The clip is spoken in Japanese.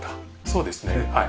そうですねはい。